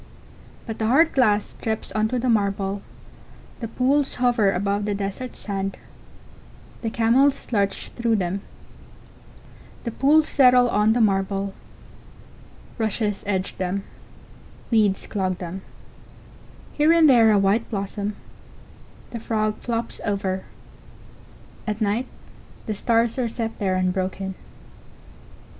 But the hard glass drips on to the marble; the pools hover above the dessert sand; the camels lurch through them; the pools settle on the marble; rushes edge them; weeds clog them; here and there a white blossom; the frog flops over; at night the stars are set there unbroken.